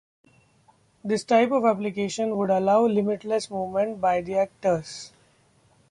This type of application would allow limitless movement by the actors.